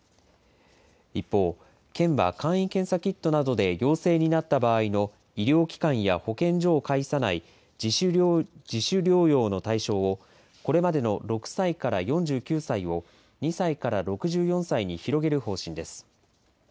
一方、県は簡易検査キットなどで陽性になった場合の医療機関や保健所を介さない自主療養の対象を、これまでの６歳から４９歳を、２歳から６４歳に広げる方針です。